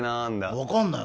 分かんないよ